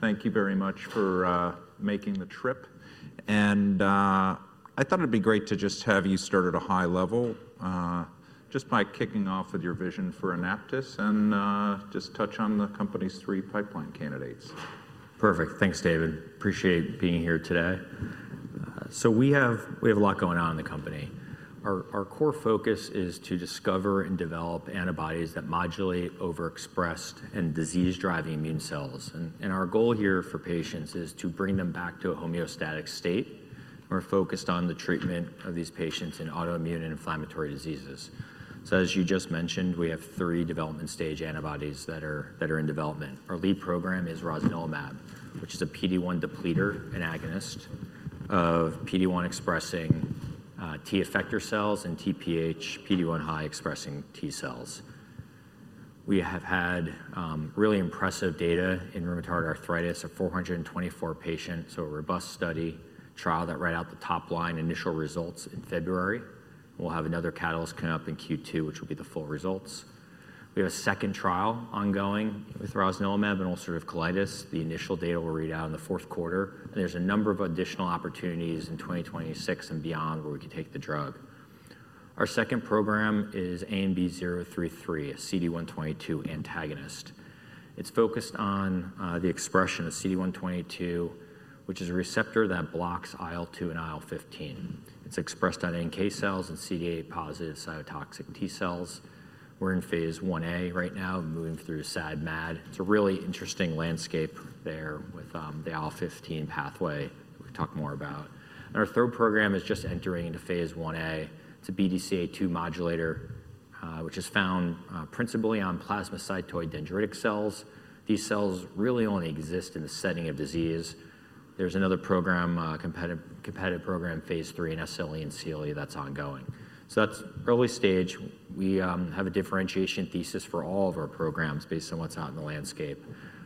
Thank you very much for making the trip. I thought it'd be great to just have you start at a high level, just by kicking off with your vision for Anaptys and just touch on the company's three pipeline candidates. Perfect. Thanks, David. Appreciate being here today. We have a lot going on in the company. Our core focus is to discover and develop antibodies that modulate overexpressed and disease-driving immune cells. Our goal here for patients is to bring them back to a homeostatic state. We're focused on the treatment of these patients in autoimmune and inflammatory diseases. As you just mentioned, we have three development-stage antibodies that are in development. Our lead program is rosnilimab, which is a PD-1 depleter and agonist of PD-1-expressing T effector cells and TPH, PD-1 high-expressing T cells. We have had really impressive data in rheumatoid arthritis of 424 patients, so a robust study, trial that read out the top-line initial results in February. We'll have another catalyst come up in Q2, which will be the full results. We have a second trial ongoing with rosnilimab in ulcerative colitis. The initial data will read out in the fourth quarter. There's a number of additional opportunities in 2026 and beyond where we can take the drug. Our second program is ANB033, a CD122 antagonist. It's focused on the expression of CD122, which is a receptor that blocks IL-2 and IL-15. It's expressed on NK cells and CD8+ cytotoxic T cells. We're in phase I-A right now, moving through SAD-MAD. It's a really interesting landscape there with the IL-15 pathway that we'll talk more about. Our third program is just entering into phase I-A. It's a BDCA2 modulator, which is found principally on plasmacytoid dendritic cells. These cells really only exist in the setting of disease. There's another competitive program, phase III, in SLE and CLE that's ongoing. That's early stage. We have a differentiation thesis for all of our programs based on what's out in the landscape.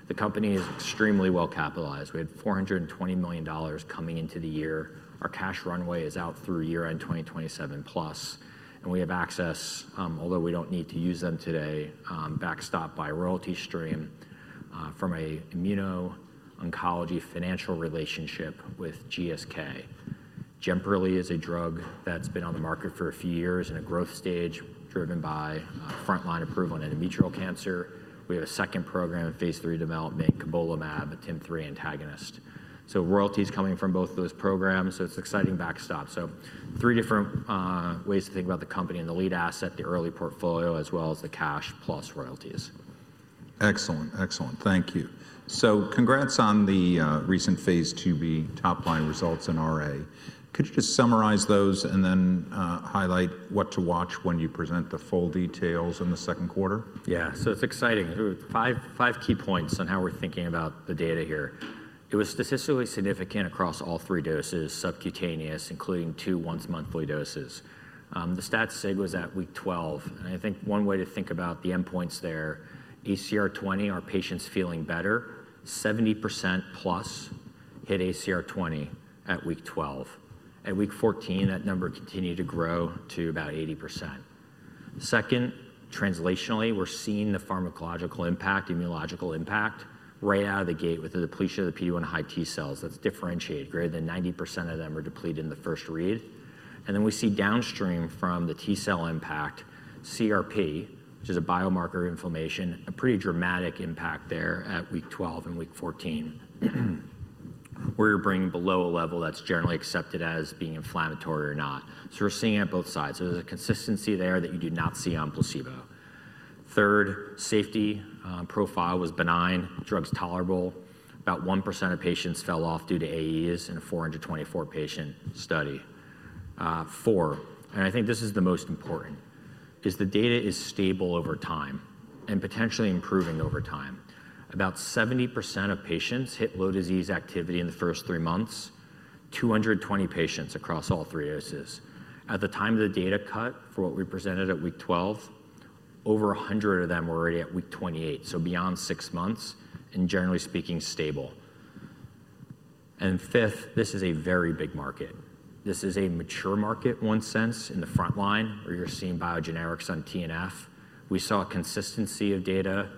The company is extremely well-capitalized. We had $420 million coming into the year. Our cash runway is out through year-end 2027 plus. We have access, although we do not need to use them today, backstopped by a royalty stream from an immuno-oncology financial relationship with GSK. JEMPERLI is a drug that has been on the market for a few years in a growth stage driven by frontline approval on endometrial cancer. We have a second program in phase III development, cobolimab, a TIM-3 antagonist. Royalties are coming from both of those programs. It is an exciting backstop. There are three different ways to think about the company and the lead asset, the early portfolio, as well as the cash plus royalties. Excellent. Excellent. Thank you. Congrats on the recent phase II-B top-line results in RA. Could you just summarize those and then highlight what to watch when you present the full details in the second quarter? Yeah. It's exciting. Five key points on how we're thinking about the data here. It was statistically significant across all three doses, subcutaneous, including two once-monthly doses. The stats sig was at week 12. I think one way to think about the endpoints there, ACR 20, are patients feeling better, 70% plus hit ACR 20 at week 12. At week 14, that number continued to grow to about 80%. Second, translationally, we're seeing the pharmacological impact, immunological impact, right out of the gate with the depletion of the PD-1high T cells that's differentiated. Greater than 90% of them were depleted in the first read. We see downstream from the T cell impact, CRP, which is a biomarker of inflammation, a pretty dramatic impact there at week 12 and week 14, where you're bringing below a level that's generally accepted as being inflammatory or not. We're seeing it on both sides. There's a consistency there that you do not see on placebo. Third, safety profile was benign, drugs tolerable. About 1% of patients fell off due to AEs in a 424-patient study. Four, and I think this is the most important, is the data is stable over time and potentially improving over time. About 70% of patients hit low disease activity in the first three months, 220 patients across all three doses. At the time of the data cut for what we presented at week 12, over 100 of them were already at week 28, so beyond six months and generally speaking stable. Fifth, this is a very big market. This is a mature market, one sense, in the front line where you're seeing biogenerics on TNF. We saw a consistency of data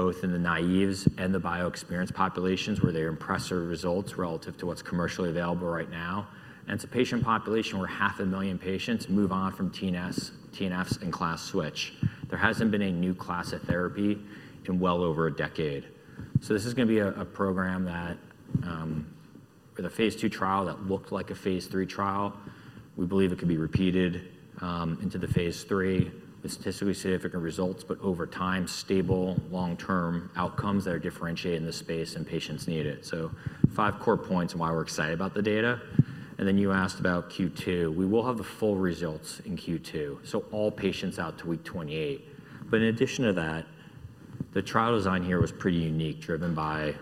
both in the naive and the bio-experienced populations where they're impressive results relative to what's commercially available right now. It is a patient population where 500,000 patients move on from TNFs and class switch. There hasn't been a new class of therapy in well over a decade. This is going to be a program that, with a phase II trial that looked like a phase III trial, we believe it could be repeated into the phase III with statistically significant results, but over time, stable long-term outcomes that are differentiated in this space and patients need it. Five core points and why we're excited about the data. You asked about Q2. We will have the full results in Q2, so all patients out to week 28. In addition to that, the trial design here was pretty unique, driven by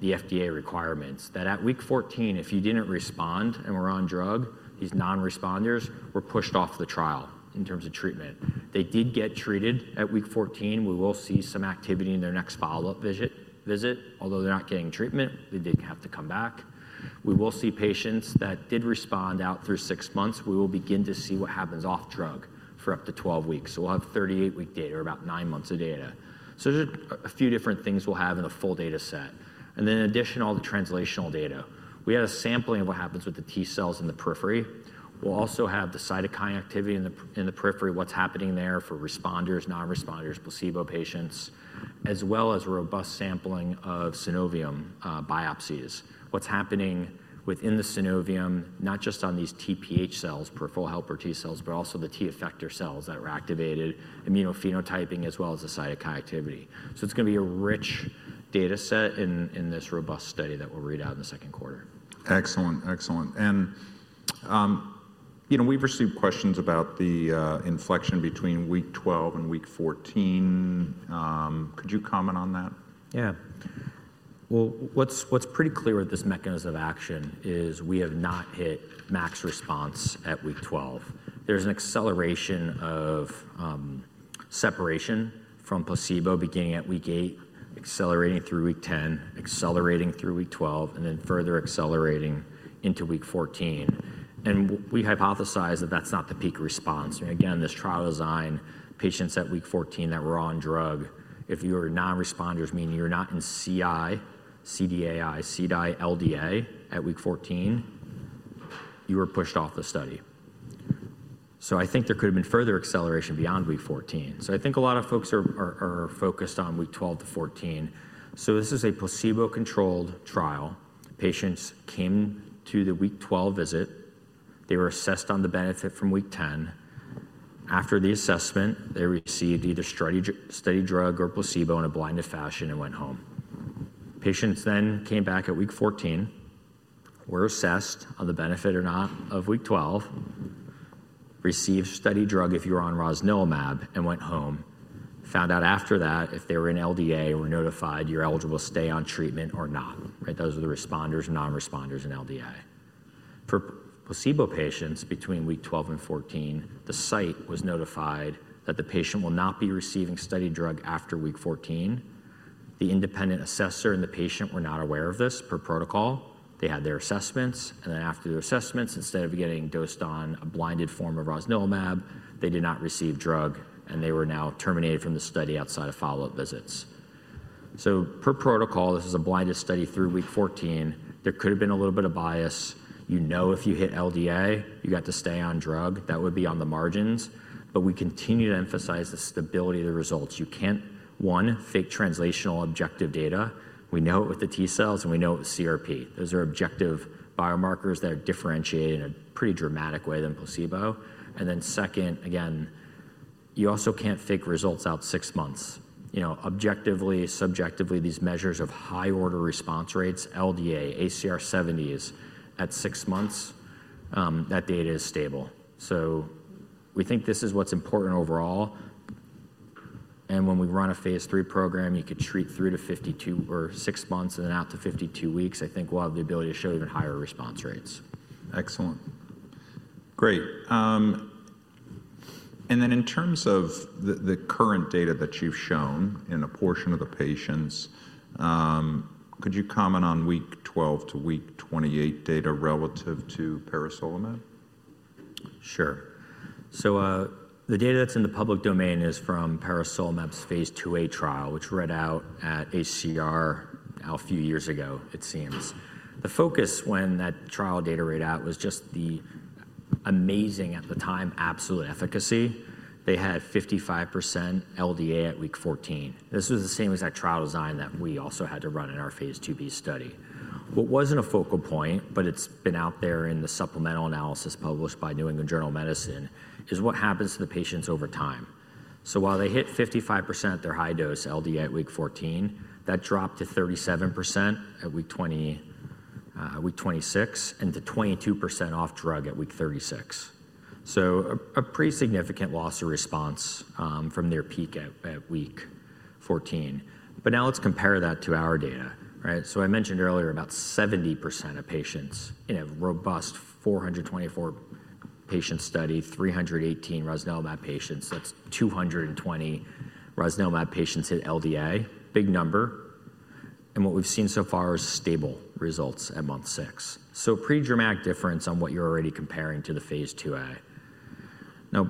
the FDA requirements that at week 14, if you did not respond and were on drug, these non-responders were pushed off the trial in terms of treatment. They did get treated at week 14. You will see some activity in their next follow-up visit. Although they are not getting treatment, they did have to come back. You will see patients that did respond out through six months. You will begin to see what happens off drug for up to 12 weeks. You will have 38-week data or about nine months of data. There are a few different things you will have in a full data set. In addition, all the translational data. You have a sampling of what happens with the T cells in the periphery. We'll also have the cytokine activity in the periphery, what's happening there for responders, non-responders, placebo patients, as well as robust sampling of synovium biopsies, what's happening within the synovium, not just on these TPH cells, peripheral helper T cells, but also the T effector cells that were activated, immunophenotyping, as well as the cytokine activity. It is going to be a rich data set in this robust study that we'll read out in the second quarter. Excellent. Excellent. We have received questions about the inflection between week 12 and week 14. Could you comment on that? Yeah. What is pretty clear with this mechanism of action is we have not hit max response at week 12. There is an acceleration of separation from placebo beginning at week 8, accelerating through week 10, accelerating through week 12, and then further accelerating into week 14. We hypothesize that is not the peak response. Again, this trial design, patients at week 14 that were on drug, if you were non-responders, meaning you are not in CI, CDAI, CDAI-LDA at week 14, you were pushed off the study. I think there could have been further acceleration beyond week 14. I think a lot of folks are focused on week 12 to 14. This is a placebo-controlled trial. Patients came to the week 12 visit. They were assessed on the benefit from week 10. After the assessment, they received either studied drug or placebo in a blinded fashion and went home. Patients then came back at week 14, were assessed on the benefit or not of week 12, received studied drug if you were on rosnilimab, and went home, found out after that if they were in LDA and were notified, you're eligible to stay on treatment or not. Those are the responders and non-responders in LDA. For placebo patients between week 12 and 14, the site was notified that the patient will not be receiving studied drug after week 14. The independent assessor and the patient were not aware of this per protocol. They had their assessments. After their assessments, instead of getting dosed on a blinded form of rosnilimab, they did not receive drug, and they were now terminated from the study outside of follow-up visits. Per protocol, this is a blinded study through week 14. There could have been a little bit of bias. You know, if you hit LDA, you got to stay on drug. That would be on the margins. We continue to emphasize the stability of the results. You can't, one, fake translational objective data. We know it with the T cells, and we know it with CRP. Those are objective biomarkers that are differentiated in a pretty dramatic way than placebo. Second, again, you also can't fake results out six months. Objectively, subjectively, these measures of high-order response rates, LDA, ACR 70s at six months, that data is stable. We think this is what's important overall. When we run a phase III program, you could treat 3 to 52 or six months and then out to 52 weeks, I think we'll have the ability to show even higher response rates. Excellent. Great. In terms of the current data that you've shown in a portion of the patients, could you comment on week 12 to week 28 data relative to peresolimab? Sure. The data that's in the public domain is from peresolimab's phase II-A trial, which read out at ACR now a few years ago, it seems. The focus when that trial data read out was just the amazing, at the time, absolute efficacy. They had 55% LDA at week 14. This was the same as that trial design that we also had to run in our phase II-B study. What wasn't a focal point, but it's been out there in the supplemental analysis published by New England Journal of Medicine, is what happens to the patients over time. While they hit 55% at their high dose LDA at week 14, that dropped to 37% at week 26 and to 22% off drug at week 36. A pretty significant loss of response from their peak at week 14. Now let's compare that to our data. I mentioned earlier about 70% of patients, robust 424-patient study, 318 rosnilimab patients. That's 220 rosnilimab patients hit LDA. Big number. What we've seen so far is stable results at month six. A pretty dramatic difference on what you're already comparing to the phase II-A. Now,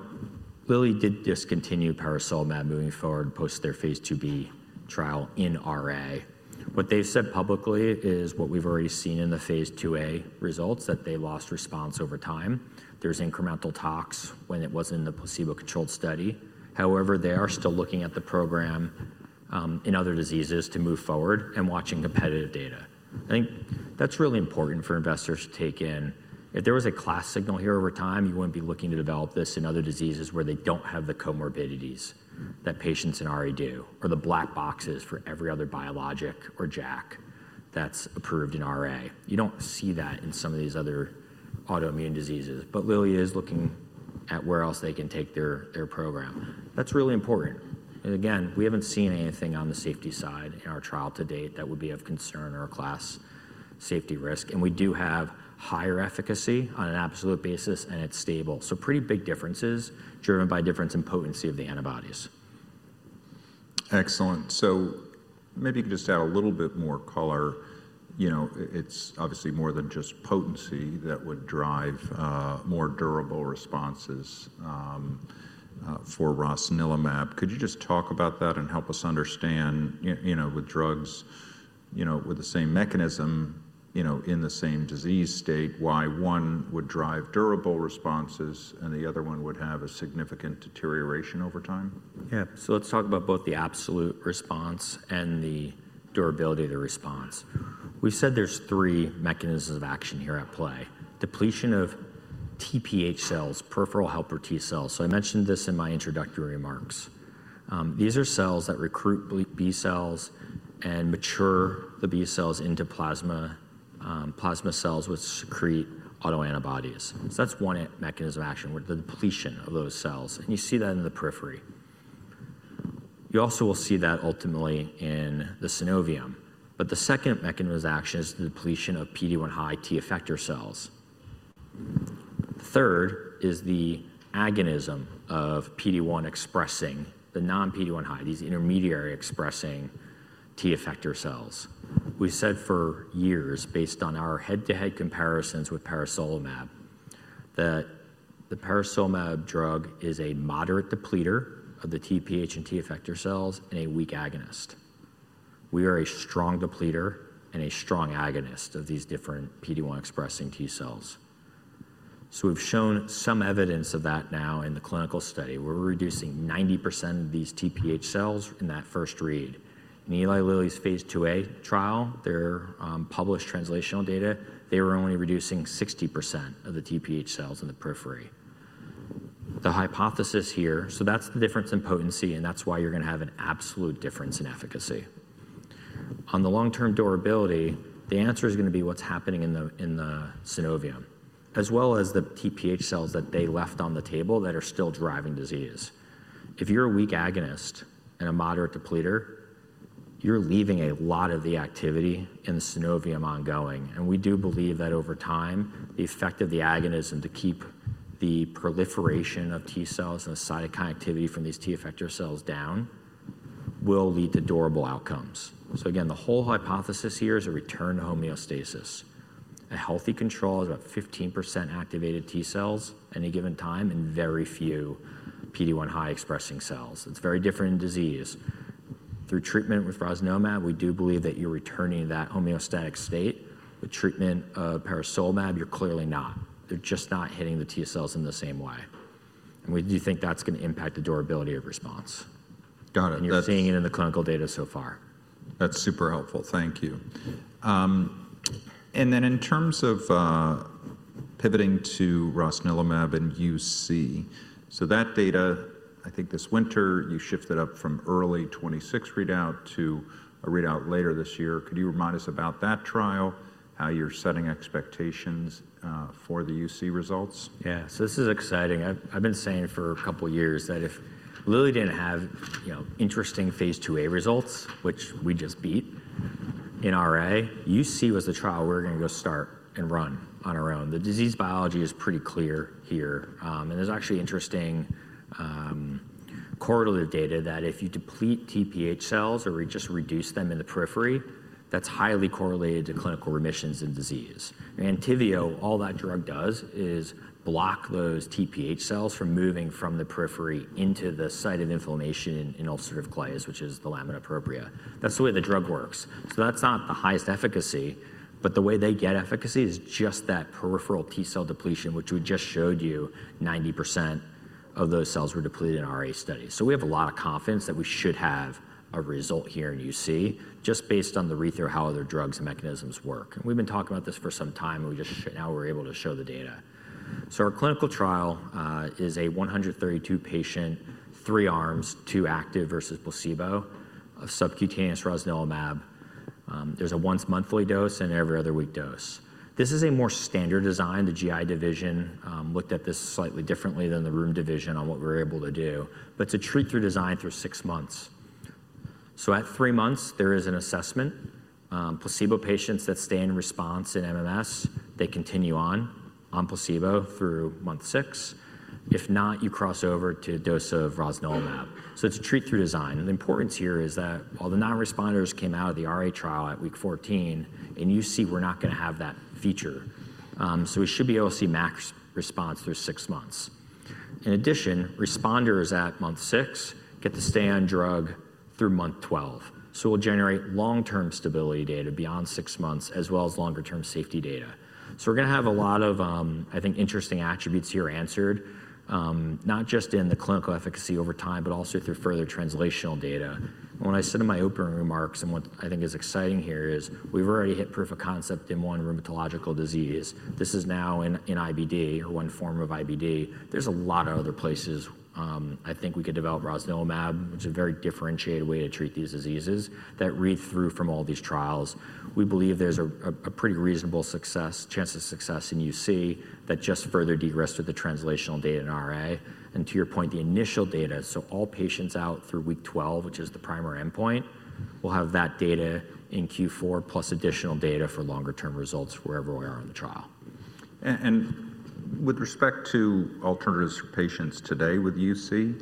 Lilly did discontinue peresolimab moving forward post their phase II-B trial in RA. What they've said publicly is what we've already seen in the phase II-A results that they lost response over time. There's incremental talks when it wasn't in the placebo-controlled study. However, they are still looking at the program in other diseases to move forward and watching competitive data. I think that's really important for investors to take in. If there was a class signal here over time, you would not be looking to develop this in other diseases where they do not have the comorbidities that patients in RA do or the black boxes for every other biologic or JAK that is approved in RA. You do not see that in some of these other autoimmune diseases. Lilly is looking at where else they can take their program. That is really important. Again, we have not seen anything on the safety side in our trial to date that would be of concern or a class safety risk. We do have higher efficacy on an absolute basis, and it is stable. Pretty big differences are driven by difference in potency of the antibodies. Excellent. Maybe you could just add a little bit more, call out it's obviously more than just potency that would drive more durable responses for rosnilimab. Could you just talk about that and help us understand with drugs with the same mechanism in the same disease state, why one would drive durable responses and the other one would have a significant deterioration over time? Yeah. Let's talk about both the absolute response and the durability of the response. We've said there's three mechanisms of action here at play. Depletion of TPH cells, peripheral helper T cells. I mentioned this in my introductory remarks. These are cells that recruit B cells and mature the B cells into plasma cells which secrete autoantibodies. That's one mechanism of action, the depletion of those cells. You see that in the periphery. You also will see that ultimately in the synovium. The second mechanism of action is the depletion of PD-1high T effector cells. Third is the agonism of PD-1 expressing the non-PD-1high, these intermediary expressing T effector cells. We said for years, based on our head-to-head comparisons with peresolimab, that the peresolimab drug is a moderate depleter of the TPH and T effector cells and a weak agonist. We are a strong depleter and a strong agonist of these different PD-1 expressing T cells. We have shown some evidence of that now in the clinical study where we are reducing 90% of these TPH cells in that first read. In Eli Lilly's phase II-A trial, their published translational data, they were only reducing 60% of the TPH cells in the periphery. The hypothesis here, that is the difference in potency, and that is why you are going to have an absolute difference in efficacy. On the long-term durability, the answer is going to be what is happening in the synovium, as well as the TPH cells that they left on the table that are still driving disease. If you are a weak agonist and a moderate depleter, you are leaving a lot of the activity in the synovium ongoing. We do believe that over time, the effect of the agonism to keep the proliferation of T cells and the cytokine activity from these T effector cells down will lead to durable outcomes. Again, the whole hypothesis here is a return to homeostasis. A healthy control is about 15% activated T cells at any given time and very few PD-1 high expressing cells. It's very different in disease. Through treatment with rosnilimab, we do believe that you're returning that homeostatic state. With treatment of peresolimab, you're clearly not. They're just not hitting the T cells in the same way. We do think that's going to impact the durability of response. Got it. You're seeing it in the clinical data so far. That's super helpful. Thank you. In terms of pivoting to rosnilimab and UC, that data, I think this winter you shifted up from early 2026 readout to a readout later this year. Could you remind us about that trial, how you're setting expectations for the UC results? Yeah. This is exciting. I've been saying for a couple of years that if Lilly didn't have interesting phase II-A results, which we just beat in RA, UC was the trial we were going to go start and run on our own. The disease biology is pretty clear here. There's actually interesting correlative data that if you deplete TPH cells or we just reduce them in the periphery, that's highly correlated to clinical remissions in disease. ENTYVIO, all that drug does is block those TPH cells from moving from the periphery into the site of inflammation in ulcerative colitis, which is the lamina propria. That's the way the drug works. That's not the highest efficacy, but the way they get efficacy is just that peripheral T cell depletion, which we just showed you 90% of those cells were depleted in RA studies. We have a lot of confidence that we should have a result here in UC just based on the read-through of how other drugs and mechanisms work. We've been talking about this for some time, and we just now were able to show the data. Our clinical trial is a 132 patient, three arms, two active versus placebo, of subcutaneous rosnilimab. There's a once-monthly dose and every other week dose. This is a more standard design. The GI division looked at this slightly differently than the rheum division on what we were able to do, but it's a treat-through design through six months. At three months, there is an assessment. Placebo patients that stay in response in MMS, they continue on placebo through month six. If not, you cross over to a dose of rosnilimab. It's a treat-through design. The importance here is that while the non-responders came out of the RA trial at week 14, in UC, we're not going to have that feature. We should be able to see max response through six months. In addition, responders at month six get to stay on drug through month 12. It will generate long-term stability data beyond six months, as well as longer-term safety data. We're going to have a lot of, I think, interesting attributes here answered, not just in the clinical efficacy over time, but also through further translational data. When I said in my opening remarks, what I think is exciting here is we've already hit proof of concept in one rheumatological disease. This is now in IBD, or one form of IBD. There's a lot of other places I think we could develop rosnilimab, which is a very differentiated way to treat these diseases that read through from all these trials. We believe there's a pretty reasonable chance of success in UC that just further de-risked with the translational data in RA. To your point, the initial data, so all patients out through week 12, which is the primary endpoint, we'll have that data in Q4 plus additional data for longer-term results wherever we are in the trial. With respect to alternatives for patients today with UC,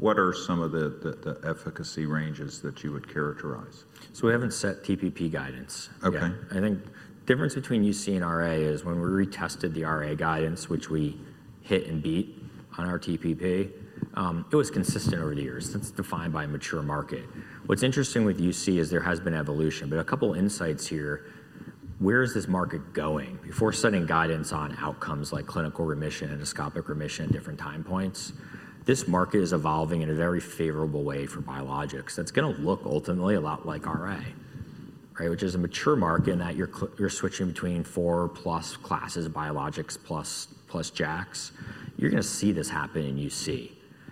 what are some of the efficacy ranges that you would characterize? We haven't set TPP guidance. I think the difference between UC and RA is when we retested the RA guidance, which we hit and beat on our TPP, it was consistent over the years. That's defined by a mature market. What's interesting with UC is there has been evolution. A couple of insights here. Where is this market going? Before setting guidance on outcomes like clinical remission, endoscopic remission at different time points, this market is evolving in a very favorable way for biologics. That's going to look ultimately a lot like RA, which is a mature market in that you're switching between four-plus classes of biologics plus JAKs. You're going to see this happen in UC.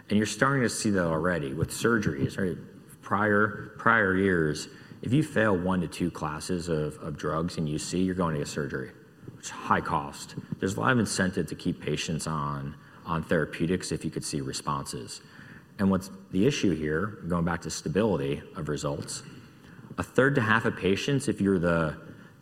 You're starting to see that already with surgeries. Prior years, if you fail one to two classes of drugs in UC, you're going to get surgery, which is high cost. There's a lot of incentive to keep patients on therapeutics if you could see responses. What's the issue here, going back to stability of results. A third to half of patients, if you're the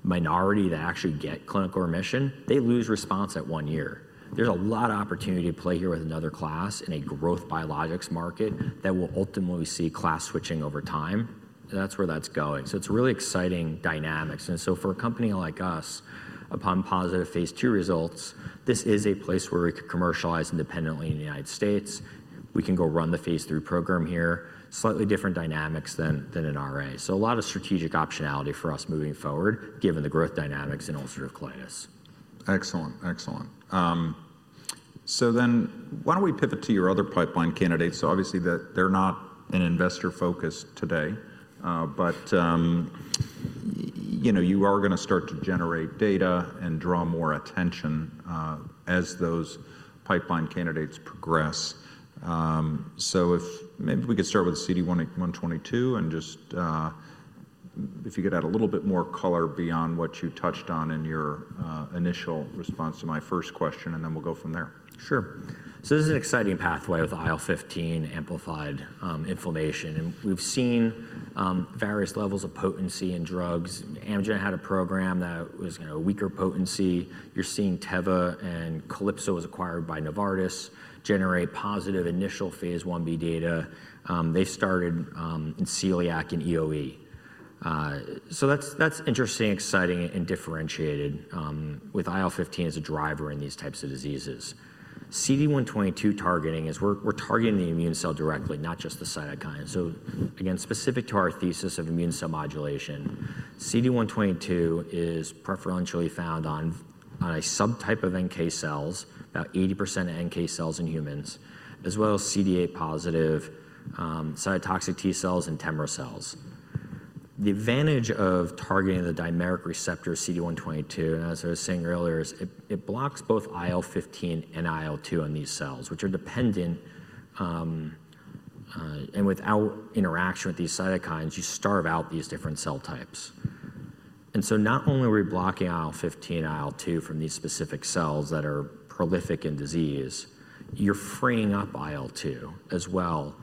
minority that actually get clinical remission, they lose response at one year. There's a lot of opportunity to play here with another class in a growth biologics market that will ultimately see class switching over time. That's where that's going. It's a really exciting dynamic. For a company like us, upon positive phase II results, this is a place where we could commercialize independently in the United States. We can go run the phase III program here. Slightly different dynamics than in RA. A lot of strategic optionality for us moving forward, given the growth dynamics in ulcerative colitis. Excellent. Excellent. Why don't we pivot to your other pipeline candidates? Obviously, they're not an investor focus today. You are going to start to generate data and draw more attention as those pipeline candidates progress. Maybe we could start with CD122 and if you could add a little bit more color beyond what you touched on in your initial response to my first question, then we'll go from there. Sure. This is an exciting pathway with IL-15 amplified inflammation. We've seen various levels of potency in drugs. Amgen had a program that was a weaker potency. You're seeing Teva and Calypso was acquired by Novartis generate positive initial phase I-B data. They started in Celiac and EoE. That's interesting, exciting, and differentiated with IL-15 as a driver in these types of diseases. CD122 targeting is we're targeting the immune cell directly, not just the cytokine. Again, specific to our thesis of immune cell modulation, CD122 is preferentially found on a subtype of NK cells, about 80% NK cells in humans, as well as CD8+ cytotoxic T cells and TEMRA cells. The advantage of targeting the dimeric receptor CD122, as I was saying earlier, is it blocks both IL-15 and IL-2 on these cells, which are dependent. Without interaction with these cytokines, you starve out these different cell types. Not only are we blocking IL-15 and IL-2 from these specific cells that are prolific in disease, you're freeing up IL-2 as well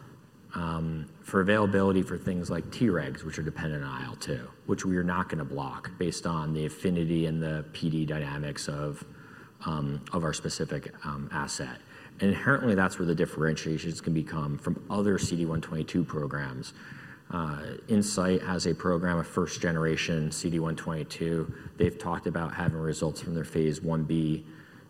for availability for things like Tregs, which are dependent on IL-2, which we are not going to block based on the affinity and the PD dynamics of our specific asset. Inherently, that's where the differentiations can become from other CD122 programs. Incyte has a program of first-generation CD122. They've talked about having results from their phase I-B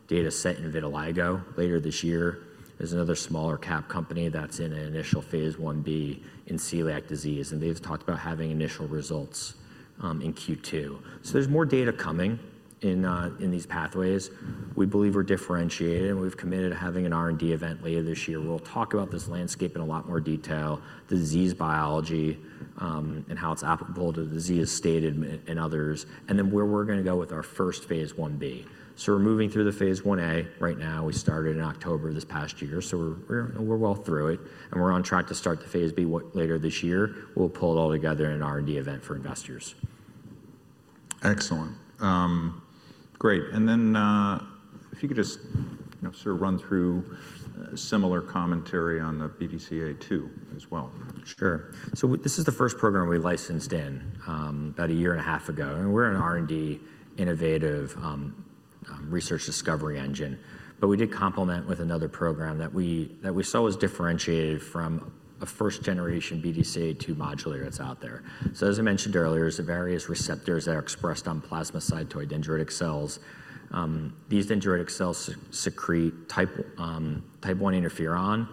data set in vitiligo later this year. There's another smaller cap company that's in an initial phase I-B in celiac disease, and they've talked about having initial results in Q2. There's more data coming in these pathways. We believe we're differentiated, and we've committed to having an R&D event later this year. We'll talk about this landscape in a lot more detail, the disease biology, and how it's applicable to the disease stated and others, and then where we're going to go with our first phase I-B. We're moving through the phase I-A right now. We started in October of this past year. We're well through it. We're on track to start the phase I-B later this year. We'll pull it all together in an R&D event for investors. Excellent. Great. If you could just sort of run through similar commentary on the BDCA2 as well. Sure. This is the first program we licensed in about a year and a half ago. We're an R&D innovative research discovery engine. We did complement with another program that we saw was differentiated from a first-generation BDCA2 modulator that's out there. As I mentioned earlier, there are various receptors that are expressed on plasmacytoid dendritic cells. These dendritic cells secrete type 1 interferon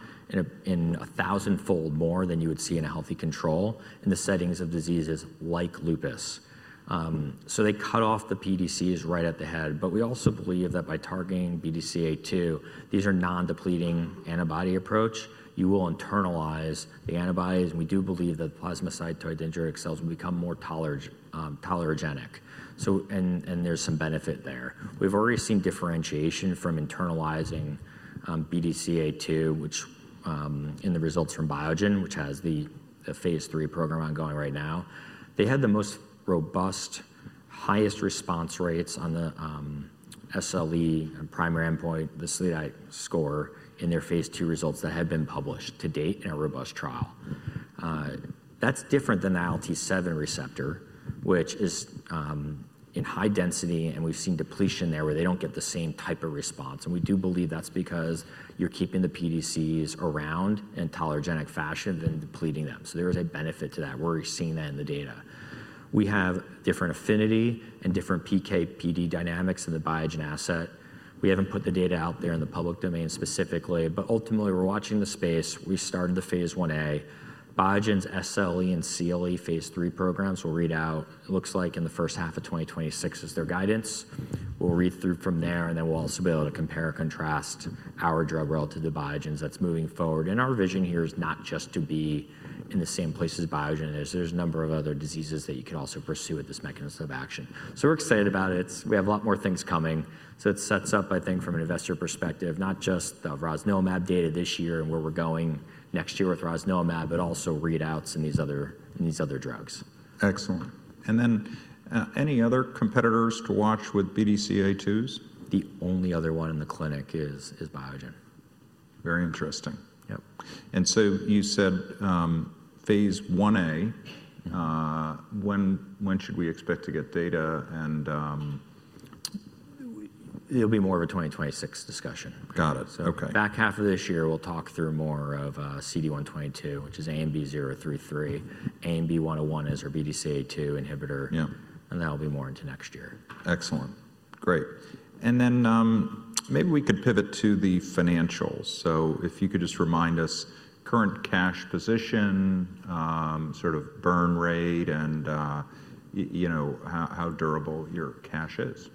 in a thousandfold more than you would see in a healthy control in the settings of diseases like lupus. They cut off the PDCs right at the head. We also believe that by targeting BDCA2, these are non-depleting antibody approach. You will internalize the antibodies. We do believe that the plasmacytoid dendritic cells will become more tolerogenic. There's some benefit there. We've already seen differentiation from internalizing BDCA2, which in the results from Biogen, which has the phase III program ongoing right now. They had the most robust, highest response rates on the SLE and primary endpoint, the CLASI score in their phase II results that have been published to date in a robust trial. That's different than the ILT7 receptor, which is in high density. We have seen depletion there where they do not get the same type of response. We do believe that's because you're keeping the PDCs around in a tolerogenic fashion than depleting them. There is a benefit to that. We're seeing that in the data. We have different affinity and different PKPD dynamics in the Biogen asset. We haven't put the data out there in the public domain specifically. Ultimately, we're watching the space. We started the phase I-A. Biogen's SLE and CLE phase III programs will read out, it looks like in the first half of 2026 is their guidance. We'll read through from there. We'll also be able to compare and contrast our drug relative to Biogen's that's moving forward. Our vision here is not just to be in the same place as Biogen is. There are a number of other diseases that you can also pursue with this mechanism of action. We're excited about it. We have a lot more things coming. It sets up, I think, from an investor perspective, not just the rosnilimab data this year and where we're going next year with rosnilimab, but also readouts in these other drugs. Excellent. Any other competitors to watch with BDCA2s? The only other one in the clinic is Biogen. Very interesting. Yep. You said phase I-A. When should we expect to get data? It'll be more of a 2026 discussion. Got it. Okay. Back half of this year, we'll talk through more of CD122, which is ANB033. ANB101 is our BDCA2 inhibitor. And that'll be more into next year. Excellent. Great. Maybe we could pivot to the financials. If you could just remind us current cash position, sort of burn rate, and how durable your cash is.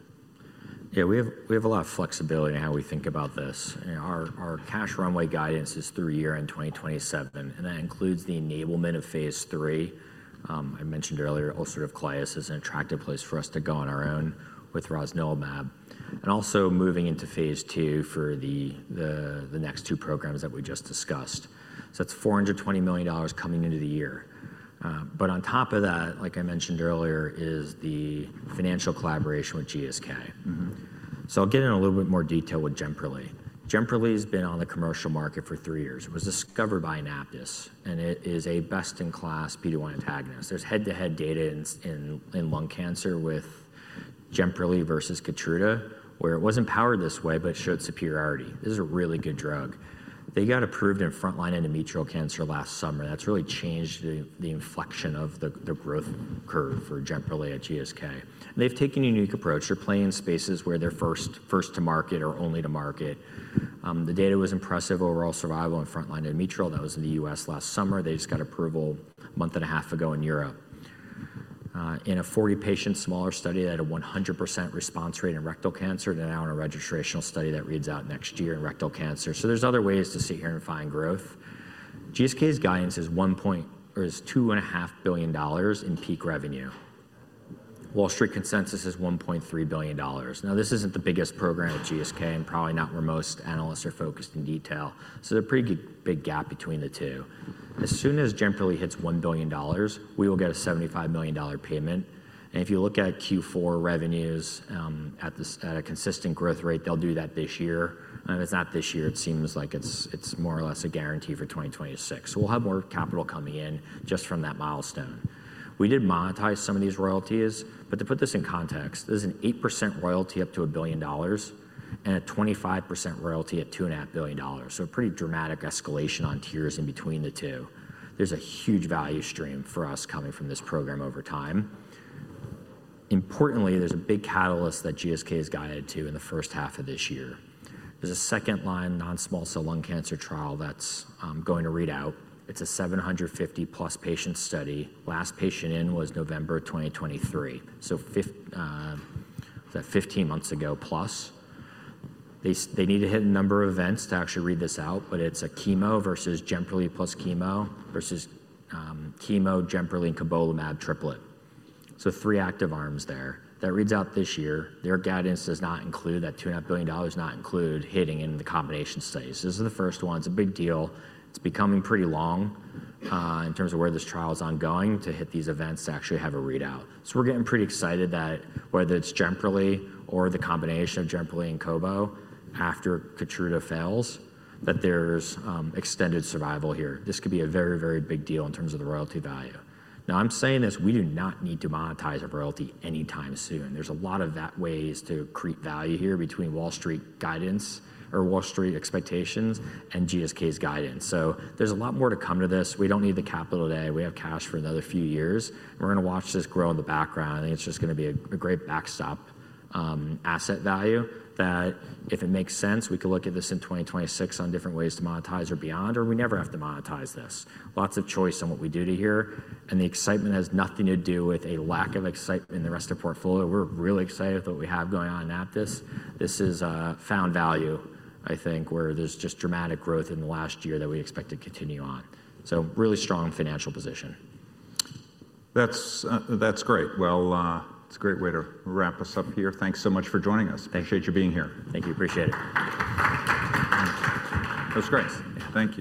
Yeah. We have a lot of flexibility in how we think about this. Our cash runway guidance is through year end 2027. That includes the enablement of phase III. I mentioned earlier, ulcerative colitis is an attractive place for us to go on our own with rosnilimab. Also moving into phase II for the next two programs that we just discussed. That's $420 million coming into the year. On top of that, like I mentioned earlier, is the financial collaboration with GSK. I'll get in a little bit more detail with JEMPERLI. JEMPERLI has been on the commercial market for three years. It was discovered by Anaptys. It is a best-in-class PD-1 antagonist. There's head-to-head data in lung cancer with JEMPERLI versus KEYTRUDA, where it wasn't powered this way, but it showed superiority. This is a really good drug. They got approved in frontline endometrial cancer last summer. That has really changed the inflection of the growth curve for JEMPERLI at GSK. They have taken a unique approach. They are playing in spaces where they are first to market or only to market. The data was impressive overall survival in frontline endometrial. That was in the U.S. last summer. They just got approval a month and a half ago in Europe. In a 40-patient smaller study that had a 100% response rate in rectal cancer, they are now in a registrational study that reads out next year in rectal cancer. There are other ways to sit here and find growth. GSK's guidance is $2.5 billion in peak revenue. Wall Street consensus is $1.3 billion. This is not the biggest program at GSK and probably not where most analysts are focused in detail. There is a pretty big gap between the two. As soon as JEMPERLI hits $1 billion, we will get a $75 million payment. If you look at Q4 revenues at a consistent growth rate, they'll do that this year. If it's not this year, it seems like it's more or less a guarantee for 2026. We will have more capital coming in just from that milestone. We did monetize some of these royalties. To put this in context, there's an 8% royalty up to $1 billion and a 25% royalty at $2.5 billion. A pretty dramatic escalation on tiers in between the two. There's a huge value stream for us coming from this program over time. Importantly, there's a big catalyst that GSK is guided to in the first half of this year. There's a second line non-small cell lung cancer trial that's going to read out. It's a 750-plus patient study. Last patient in was November 2023. Fifteen months ago plus. They need to hit a number of events to actually read this out. It is a chemo versus JEMPERLI plus chemo versus chemo, JEMPERLI, and cobolimab triplet. Three active arms there. That reads out this year. Their guidance does not include that $2.5 billion, not include hitting in the combination studies. Those are the first ones. A big deal. It is becoming pretty long in terms of where this trial is ongoing to hit these events to actually have a readout. We are getting pretty excited that whether it is JEMPERLI or the combination of JEMPERLI and Cobolimab after KEYTRUDA fails, that there is extended survival here. This could be a very, very big deal in terms of the royalty value. Now, I am saying this. We do not need to monetize our royalty anytime soon. There's a lot of ways to create value here between Wall Street guidance or Wall Street expectations and GSK's guidance. There is a lot more to come to this. We do not need the capital today. We have cash for another few years. We are going to watch this grow in the background. I think it is just going to be a great backstop asset value that if it makes sense, we could look at this in 2026 on different ways to monetize or beyond. Or we never have to monetize this. Lots of choice on what we do to here. The excitement has nothing to do with a lack of excitement in the rest of the portfolio. We are really excited with what we have going on in Anaptys. This is found value, I think, where there is just dramatic growth in the last year that we expect to continue on. Really strong financial position. That's great. It is a great way to wrap us up here. Thanks so much for joining us. Appreciate you being here. Thank you. Appreciate it. That was great. Thank you.